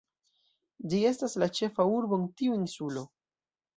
Ĝi estas la ĉefa urbo en tiu insulo.